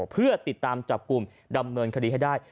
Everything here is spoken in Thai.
เพื่อติดตามจับกลุ่มดำเนินคดีให้ได้